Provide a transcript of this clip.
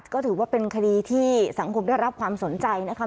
ก็ถือว่าเป็นคดีที่สังคมได้รับความสนใจนะคะ